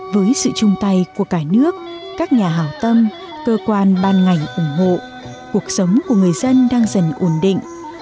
với sự chung tay của cả nước các nhà hào tâm cơ quan ban ngành ủng hộ cuộc sống của người dân đang dần ổn định